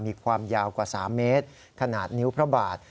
มีความยาวกว่า๓เมตรขนาดนิ้วพระบาท